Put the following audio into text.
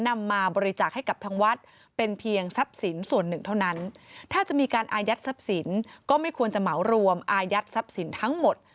นำมาบริจาคให้กับทางวัดเป็นเพียงทรัพย์สินส่วนหนึ่งเท่านั้นถ้าจะมีการอายัดทรัพย์สินก็ไม่ควรจะเหมารวมอายัดทรัพย์สินทั้งหมด